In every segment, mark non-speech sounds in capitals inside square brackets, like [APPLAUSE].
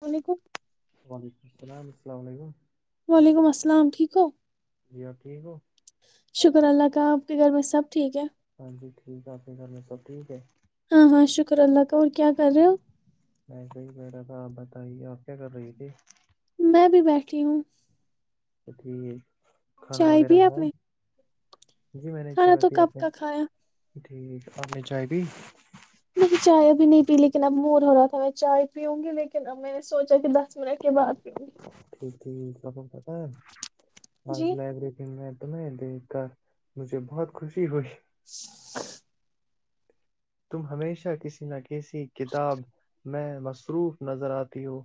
السلام علیکم وعلیکم السلام السلام علیکم وعلیکم السلام ٹھیک ہو جی آپ ٹھیک ہو شکر اللہ کا آپ کے گھر میں سب ٹھیک ہے ہاں جی ٹھیک آپ کی کر میں سب ٹھیک ہے ہاں ہاں شکر اللہ کا اور کیا کر رہے ہو میںسے ہی کہہ رہا تھا آپ بتائیے آپ کیا کر رہی تھی میں بھی بیٹھی ہوں اچ ٹھیک ہے کھانا چائے وغیرہ بھی آپ ہے نے [INAUDIBLE] جی میں نے کھانا چاہا تو کہ آپ کب نے کا کھایا جٹ آنی چاہیے نہیں چائے ابھی نہیں پی لیکن اب مور ہو رہا تھا میں چائے پیوںں گی لیکن اب میں نے سوچا کہ دس منٹ کے بعد پیوں گی کب ہاں ال جی اللہبرق میں دیکھ کر مجھے بہت خوشی ہوئی [UNINTELLIGIBLE] تم ہمیشہ کسی نہ کسی کتاب میں مصروف نظر آتی ہو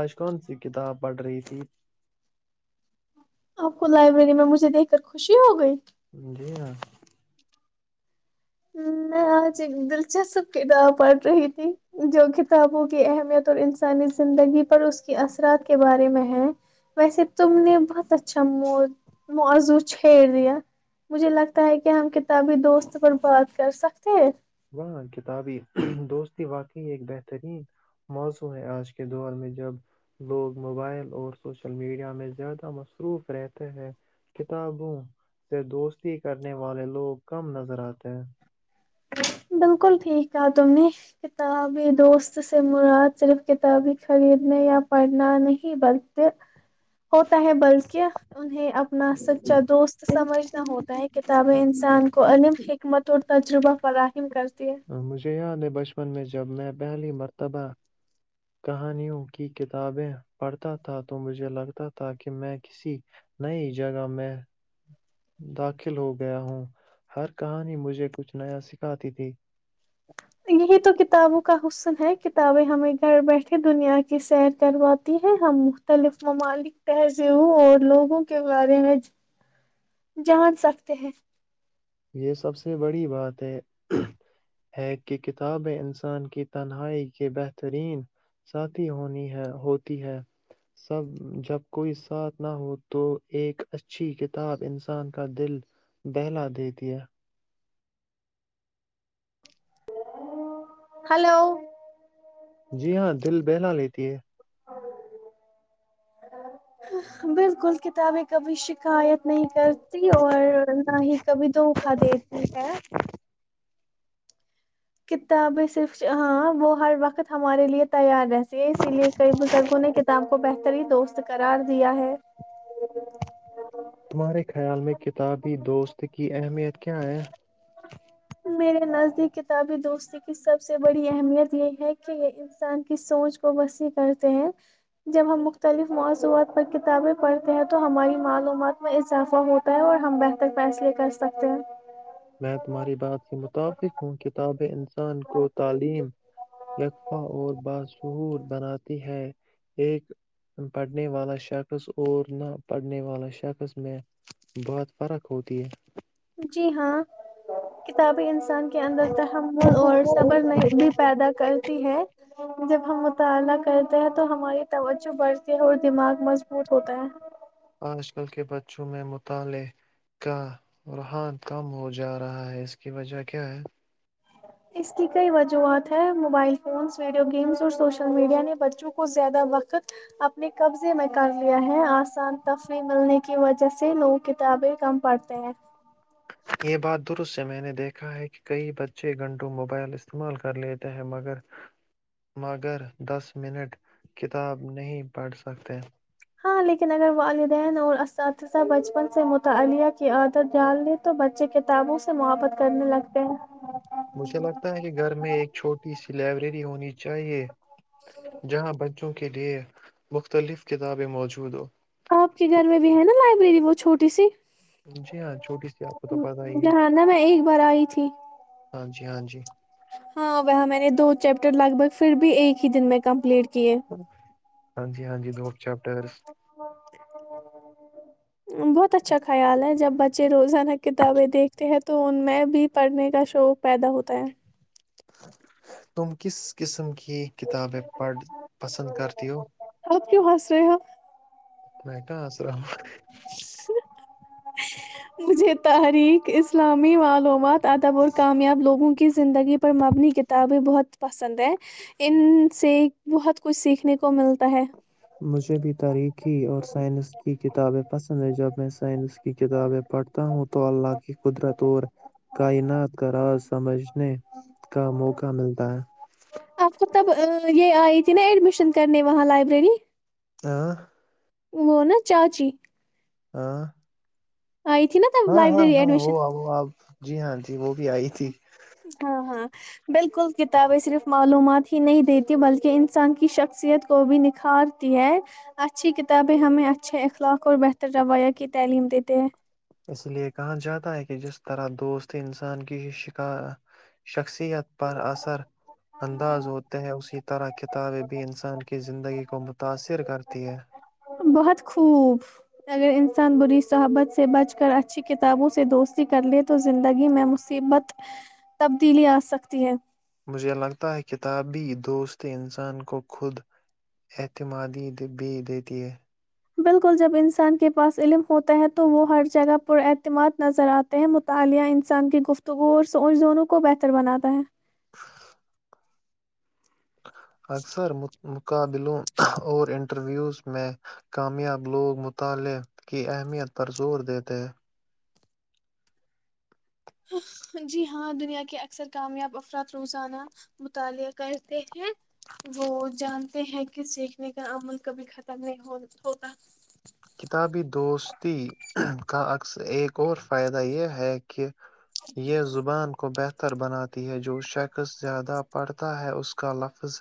آج کون سی کتاب پڑھ رہی تھی آپ کو لائبریری میں مجھے دیکھ کر خوشی ہو گئی جی ہاں میں آج ایک دلچسپ کتاب پڑھ رہی تھی جو کتابوں کی اہمیت اور انسانی زندگی پر اس کے اثرات کے بارے میں ہے ویسے تم نے بہت اچھا موضوع چھیڑ دیا مجھے لگتا ہے کہ ہم کتابی دوست پر بات کر سکتے ہیں وہاں کتابی دوستی واقعی ایک بہترین موضوع ہے آج کے دور میں جب لوگ موبائل اور سوشل میڈیا میں زیادہ مصروف رہتے ہیں کتابوں سے دوستی کرنے والے لوگ کم نظر آتے ہیں بالکل ٹھیک ہے تم نے کتابیں دوست سے مراد صرف کتاب ہی خریدنے یا پڑھنا نہیں بلکہ ہوتا ہے بلک [UNINTELLIGIBLE] اپنا سچا دوست سمجھنا ہوتا ہے کہ تابہ انسان کو عم حکمت اور تجربہ فراہم کرتی ہے مجھے یاد ہے بچپن میں جب میں پہلی مرتبہ کہانیوں کی کتابیں پڑھتا تھا تو مجھے لگتا تھا کہ میں کسی نئی جگہ میں داخل ہو گیا ہوں ہر کہانی مجھے کچھ نیا سکھاتی تھی یہی تو کتابوں کا حسن ہے کتابیں ہمیں گھر بیٹھے دنیا کی سیر کرواتی ہے ہم مختلف ممالک تہذیبوں اور لوگوں کے بارے میں جان سکتے ہیں یہ سب سے بڑی بات ہے ہے کہ کتابیں انسان کی تنہائی کے بہترین ساتھی ہونی ہے ہوتی ہے سب جب کوئی ساتھ نہ ہو تو ایک اچھی کتاب انسان کا دل بہلا دیتی ا دیا ہلو جی ہاں دل بہلا لیتی ہے بالکل کتابیں کابھی ش شکایت نہیں کرتی اور نہ ہی کبھی دھوکا دیتی ہے کتابیں صرف ہاں وہ ہر وقت ہمارے لیے تیار ہے اسی لیے کئی بزرگوں نے کتاب کو بہتری ہی دوست کرار دیا ہے تمہارے خیال میں کتابی دوست کی اہمیت کیا ہے میرے نزدیک کتابی دوستی کی سب سے بڑی اہمیت یہ ہے کہ یہ انسان کی سوچ کو وسیع کرتے ہیں جب ہم مختلف موضوعات پر کتابیں پڑھتے ہیں تو ہماری معلومات میں اضافہ ہوتا ہے اور ہم بہتر فیصلے کر سکتے ہیں میں تمہاری بات کے مطابق ہوں کتابیں انسان کو تعلیم قفہ اور باشعور بناتی ہے ایک پڑھنے والا شخص اور نہ پڑھنے والا شخص میں بہت فرق ہوتی ہے جی ہاں کتابیں انسان کے اندر تحمل اور صبر بھی پیدا کر جب ہم مطالعہ کرتے ہیں تو ہماری توجہ بڑھ اور دماغ مضبوط ہوتا ہے چہ مطالعے کا روحان کم ہو جا رہا ہے اس کی وجہ کیا ہے اس کی کئی وجوہات ہیں موبائل فونز ویڈیو گیمز اور سوشل میڈیا نے بچوں کو زیادہ وقت اپنے قبضے میں کر لیا ہے آسان تفریح ملنے کی وجہ سے لوگ کتابیں کم پڑھتے ہیں یہ بات درست سے میں نے دیکھا ہے کہ کئی بچے گھنٹوں موبائل استعمال کر لیتے ہیں مگر دس منٹ کتاب نہیں پڑھ سکتے ہاں لیکن اگر والدین اور اساتذہ بچپن سے مطالعہ کی عادت ڈال لیں تو بچے کتابوں سے محبت کرنے لگتے ہیں مجھے لگتا ہے کہ گھر میں ایک چھوٹی سی لائبریری ہونی چاہیے جہاں ب وں کے لیئے مختلف کتابیں موجود ہو میری وہ چھوٹی سی جی ہاں چھوٹی سی آپ کو تو پت ہی ہے جہاں نا میں ایک بار آئی تھی ہاں جی ہاں جی ہاں وہ میں نے دو چیپٹر لگ بھگ پھر بھی ایک ہی دن میں کمپلیٹ کیے ہاں ہاں ج ہاں ج دو چیپٹرس ا [INAUDIBLE] بہت اچھا خیال ہے جب بچے روزان کتابیں دیکھتے ہیں تو تو ان میں بھی پڑھنے کا شوق پیدا ہوتا ہے تم کس قسم کی کتابیں پڑھ پسند کرتی ہو سب کیوں ہنس رہے ہو میں کہاں الام مجھے تارییک اسلامی معلومات تدب اور کامیاب لوگوں کی زندگی پر مبنی کتابیں بہت پسند ہے ان سے بہت کچھ سیکھنے کو ملتا ہے مجھے بھی تاریخی اور سائنس کی کتابیں پسند ہیں جب میں سائنس کی کتابیں پڑھتا ہوں تو اللہ کی قدرت اور کائنات کا راز سمجھنے کا موقع ملتا ہے مطلب یہ آئی تھی نا ایڈمشن کرنے وہاں لائبریری ہ [INAUDIBLE] وہ نا چاچی ہاں آئی تھی نا تب ہاں ہاں لائبریری ہاں ایڈمیشن وہ آ آپ جی ہاں جی وہ بھی آئی تھی ہاں ہاں بالکل کتابیں صرف معلومات نہیں دیتی بلکہ انسان کی شخصیت کو بھی نکھارتی ہے اچھی کتابیں ہمیں اچھے اخلاق اور بہتر رویہ کی تعلیم دیتے ہیں اس لیے کہا جاتا ہے کہ جس طرح دوست انسان کی شکا شخصیت پر اثر انداز ہوتے ہیں اسی طرح کتابیں بھی انسان کی زندگی کو متاثر کرتی ہے بہت خوب اگر انسان بری صحبت سے بچ کر اچھی کتابوں سے دوستی کر لے تو زندگی میں مصیبت تبدیلی آ سکتی ہے مجھے لگتا ہے کتاب بھی دوست انسان کو خود اعتمادی بھی دیتی ہے بالکل جب انسان کے پاس علم ہوتا ہے تو وہ ہر جگہ پر اعتماد نظر آتے ہیں مطالعہ انسان کی گفتگو اور سوچ دونوں کو بہتر بناتا ہے اکثر مقابلوں اور انٹرویوز میں کامیاب لوگ مطالعہ کی اہمیت پر زور دیتے ہیں جی ہاں دنیا کے اکثر کامیاب افراد روزانہ مطالعہ کرتے ہیں وہ جانتے ہیں کہ سیکھنے کا عمل کبھی ختم نہیں ہو ہوتا کتابی دوستی کا اکثر ایک اور فائدہ یہ ہے کہ یہ زبان کو بہتر بناتی ہے جو شخص زیادہ پڑھتا ہے اس کا لفظ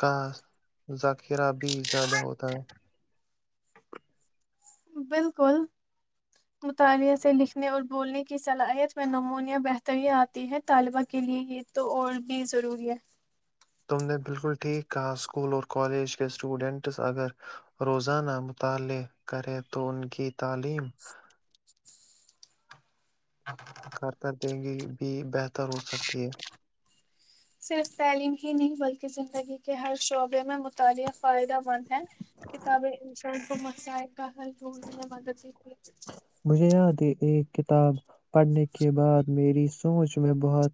کا ذخیرہ بھی بھی زیادہ ہوتا ہے بالکل مطالعہ سے لکھنے اور بولنے کی صلاحیت میں نمونیہ بہتری آتی ہے طالبہ کے لیئے یہ تو اور بھی ضروری ہے تم نے بالکل ٹھیک کہا اسکول اور کالج کے اسٹوڈنٹس اگر روزانہ مطالعہ کرے تو ان کی تعلیم کر کر گی بھی بہتر ہو سکتی ہے صرف تعلیم ہی نہیں بلکہ زندگی کے ہر شعبے میں مطالعہ فائدہ مند ہے کتاب انسان کو مسائق کا حل بول میں مدد دی مجھے یاد ہے ایک کتاب پڑھنے کے بعد میری سوچ میں بہت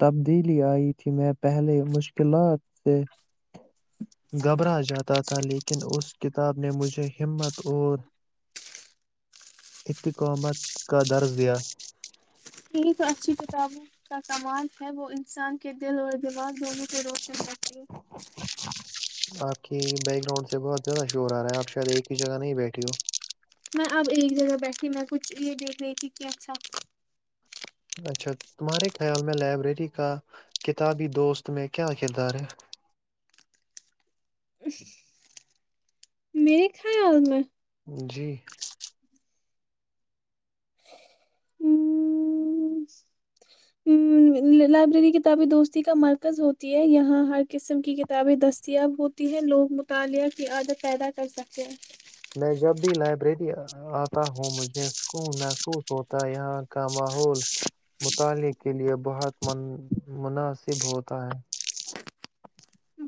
تبدیلی آئی تھی میں پہلے مشکلات سے گھبرا جاتا تھا لیکن اس کتاب نے مجھے ہمت اور اتقامت کا درج دیا یہ تو اچھی کتابوں کا سمال ہے وہ انسان کے دل اور دماغ دونوں سے روشن کر ہے آپ کی بیک گراؤنڈ سے بہت زیادہ شور آ رہا ہے آپ شاید ایک ہی جگہ نہیں بیٹھی ہو میں اب ایک جگہ بیٹھی میں کچھ یہ دیکھ رہی تھی کہ اچھا اچھا تمہارے خیال میں لائبریری کا کتابی دوست میں کیا کردار ہے میرے خیال میں جی ہ لائبریری کتابیں دوستی کا مرکز ہوتی ہے یہاں ہر قسم کی کتابیں دستیاب ہوتی ہے لوگ مطالعہ کی عادت پیدا کر سکتے ہیں میں جب بھی لائبریری آتا ہوں مجھے سکون محسوس ہوتا ہے، یہاں کا ماحول مطالعہ کے لیئے بہت مناسب ہوتا ہے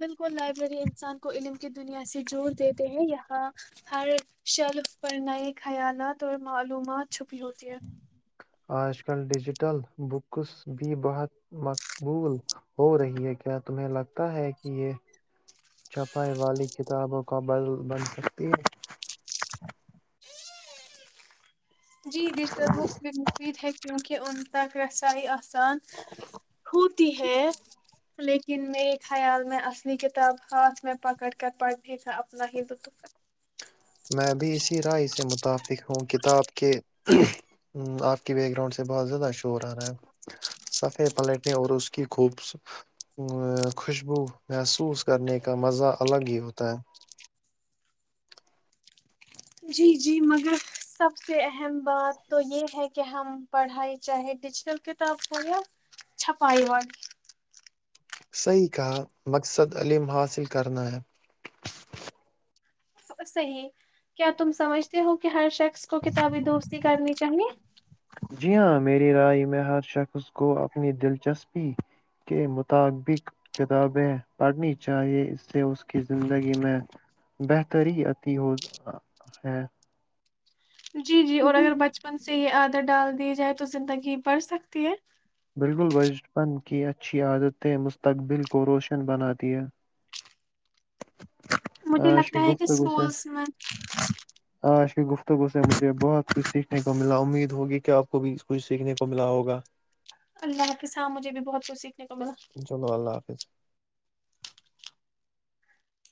بالکل لائبریری انسان کو علم کی دنیا سے جوور دیتے ہیں یہاں ہر شلف پر نئے خیالات اور معلومات چھپی ہوتی ہے آج کل ڈیجیٹل بکس بھی بہت مقبول ہو رہی ہے کیا تمہیں لگتا ہے کہ یہ چھپائی والی کتابوں کا بل بن سکتی ہے جی دشٹر بکس بھی مفید ہے کیونکہ ان تک ریسائی آ آسان ہوتی ہے لیکن لیکن میرے خیال میں اصلی کتاب ہاتھ میں پکڑ کر پڑھنے کا اپنا ہی لطف میں بھی اسی رائے سے متفق ہوں کتاب کے آپ کے بیک گراؤنڈ سے بہت زیادہ شور آ رہا ہے صفحے پلٹنے اور اس کی خوب ا خوشبو محسوس کرنے کا مزہ الگ ہی ہوتا ہے جی جی مگر سب سے اہم بات تو یہ ہے کہ ہم پڑھائی چاہے ڈیجیٹل کتاب ہو یا چھپائی والی صحیح کہا مقصد علم حاصل کرنا ہے صحیح کیا تم سمجھتے ہو کہ ہر شخص کو کتابی دوستی کرنی چاہیے جی ہاں میری رائے میں ہر شخص کو اپنی دلچسپی کے مطابق کتابیں پڑھنی چاہیے اس سے اس کی زندگی میں بہتری عتی ہو ہے جی جی اور اگر بچپن سے ہید ڈال دییا جائے تو زندگی بڑھ سکتی ہے بالکل بچپن کی اچھی عادتیں مستقبل کو روشن بن دیا مجھے ہاں شی لگتا ہے کہ گفت کوسے اسکولس میں ہاں شی گفت سے مجھے بہت کچھ سیکھنے کو ملا امید ہوگی کہ آپ کو بھی کچھ سیکھنے کو ملا ہوگا اللہ کے سام مجھے بھی بہت کچھ سیکھ چلو اللہ حافظ